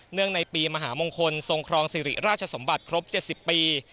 ในปีมหามงคลทรงครองสิริราชสมบัติครบ๗๐ปี